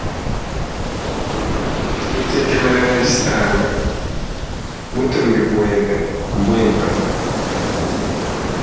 Ntekemene ne disanka butumbi bwabe bwimpe.